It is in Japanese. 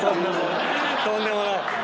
とんでもない。